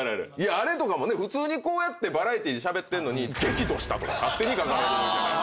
あれとかもね普通にこうやってバラエティーでしゃべってんのに「激怒した」とか勝手に書かれるじゃない。